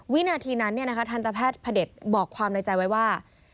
วินาทีนั้นทันตแพทย์พระเด็จบอกความในใจไว้ว่า